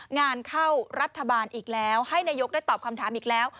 งานเข้ารัฐบาลอีกแล้วให้นายกได้ตอบคำถามอีกแล้ว